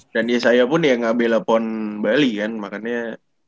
dan yesaya pun ya gak bela pon bali kan makannya